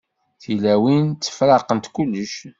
Tilawin ttefṛaqent kullec.